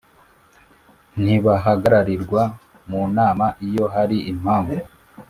ntibahagararirwa mu nama Iyo hari impamvu